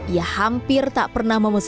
ia hampir tak pernah memesan menu lain